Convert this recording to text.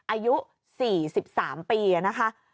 อายุ๔๓ปีนะคะ